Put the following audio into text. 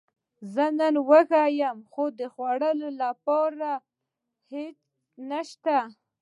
زه نن وږی یم، خو د خوړلو لپاره هیڅ نشته